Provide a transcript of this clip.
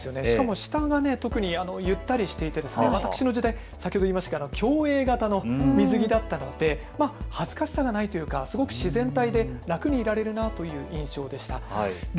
しかも下がゆったりしていて私の時代、先ほども言いましたが競泳型の水着だったので恥ずかしさがないというかすごく自然体で楽にいられるなという印象です。